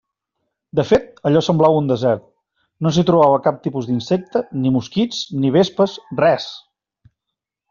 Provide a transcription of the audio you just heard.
De fet, allò semblava un desert: no s'hi trobava cap tipus d'insecte, ni mosquits, ni vespes, res!